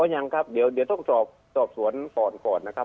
ยังครับเดี๋ยวต้องสอบสวนก่อนก่อนนะครับ